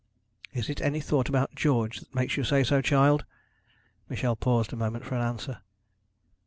'Is it any thought about George that makes you say so, child?' Michel paused a moment for an answer.